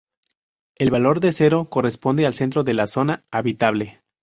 El valor cero corresponde al centro de la zona habitable.